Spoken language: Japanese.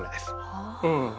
はあ。